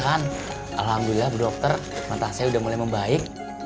alhamdulillah bu dokter mata saya udah mulai membaik